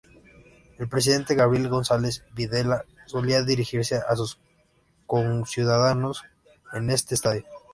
El presidente Gabriel González Videla solía dirigirse a sus conciudadanos en este estadio.